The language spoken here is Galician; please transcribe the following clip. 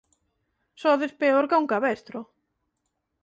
Sodes peor ca un cabestro...